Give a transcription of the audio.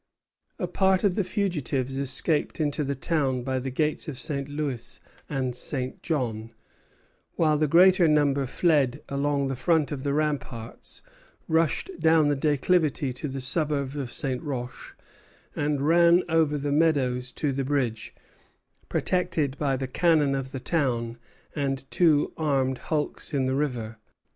A part of the fugitives escaped into the town by the gates of St. Louis and St. John, while the greater number fled along the front of the ramparts, rushed down the declivity to the suburb of St. Roch, and ran over the meadows to the bridge, protected by the cannon of the town and the two armed hulks in the river.